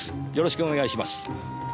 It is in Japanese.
よろしくお願いします。